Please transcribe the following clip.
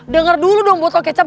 dengar dulu dong botol kecap